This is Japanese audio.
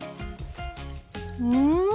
うん！